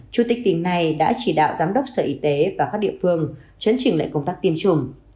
chủ tịch tỉnh này đã chỉ đạo giám đốc sở y tế và các địa phương chấn trình lại công tác tiêm chủng